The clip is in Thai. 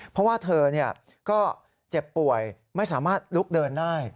เพราะว่าเธอก็เจ็บป่วยไม่สามารถลุกเดินได้